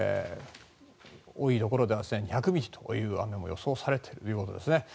多いところではすでに２００ミリという雨も予想されているようです。